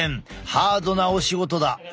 ハードなお仕事だ。